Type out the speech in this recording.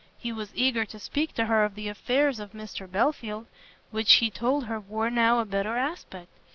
He was eager to speak to her of the affairs of Mr Belfield, which he told her wore now a better aspect.